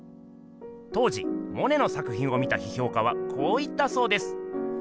当時モネの作品を見た批評家はこう言ったそうです。